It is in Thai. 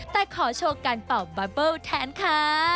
แต่ขอโชว์การเป่าบาเบิ้ลแทนค่ะ